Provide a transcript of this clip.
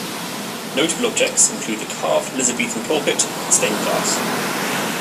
Notable objects include the carved Elizabethan pulpit and stained glass.